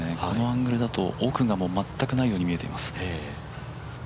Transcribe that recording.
このアングルだと奥が全くないように見えていますね。